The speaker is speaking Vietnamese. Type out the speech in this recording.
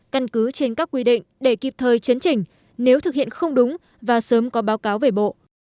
căn cứ trên các quy định để kịp thời chấn trình nếu thực hiện không đúng và sớm có báo cáo về bộ